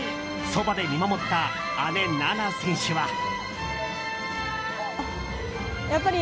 そばで見守った姉・菜那選手は。